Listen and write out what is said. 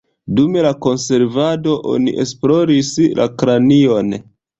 Dum la konservado oni esploris la kranion.